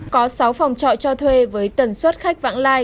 có sáu phòng trọ cho thuê với tần suất khách vãng lai